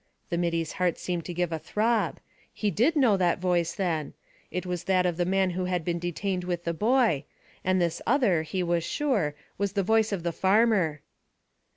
The middy's heart seemed to give a throb. He did know that voice then. It was that of the man who had been detained with the boy, and this other, he was sure, was the voice of the farmer.